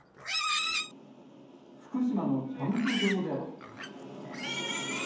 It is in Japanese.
福島のキャンプ場では。